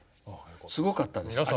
すごかったです。